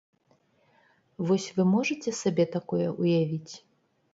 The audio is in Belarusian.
Вось вы можаце сабе такое ўявіць?